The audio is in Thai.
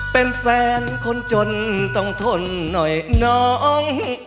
เป็นแฟนคนจนต้องทนหน่อยน้อง